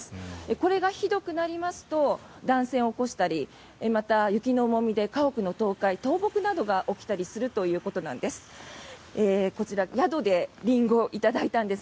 これがひどくなりますと断線を起こしたりまた、雪の重みで家屋の倒壊倒木などが起きたりするということなんです。